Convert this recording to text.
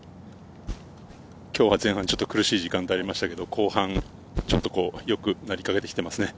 きょうは前半ちょっと苦しい時間帯がありましたけれど、後半、良くなりかけてきていますね。